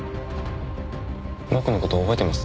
僕の事覚えてます？